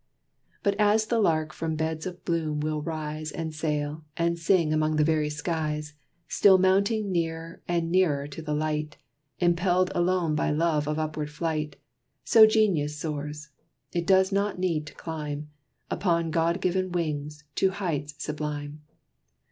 But, as the lark from beds of bloom will rise And sail and sing among the very skies, Still mounting near and nearer to the light, Impelled alone by love of upward flight, So Genius soars it does not need to climb Upon God given wings, to heights sublime.